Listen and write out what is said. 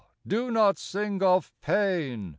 do not sing of pain !